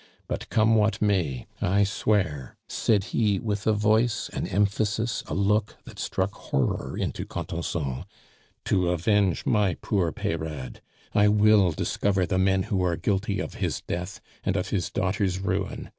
"But come what may, I swear," said he with a voice, an emphasis, a look that struck horror into Contenson, "to avenge my poor Peyrade! I will discover the men who are guilty of his death and of his daughter's ruin.